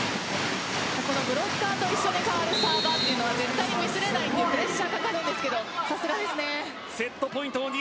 ブロッカーと一緒に代わるサーバーというのは絶対にミスれないプレッシャーがかかりますがさすがですね。